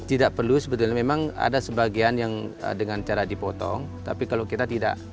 tidak perlu sebetulnya memang ada sebagian yang dengan cara dipotong tapi kalau kita tidak